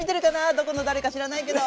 どこの誰か知らないけど。